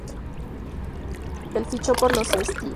En fichó por los St.